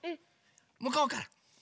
むこうから。